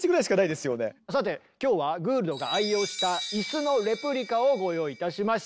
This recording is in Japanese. さて今日はグールドが愛用した椅子のレプリカをご用意いたしました。